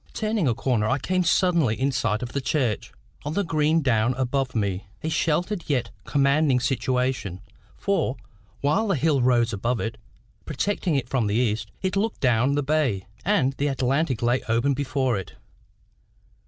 Turning a corner, I came suddenly in sight of the church, on the green down above me a sheltered yet commanding situation; for, while the hill rose above it, protecting it from the east, it looked down the bay, and the Atlantic lay open before it.